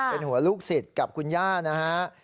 เป็นหัวลูกศิษย์กับคุณย่านะฮะ